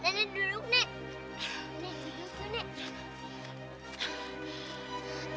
nenek duduk nenek